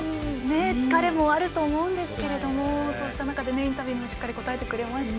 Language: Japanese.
疲れもあると思いますがそうした中でインタビューにもしっかり答えてくれました。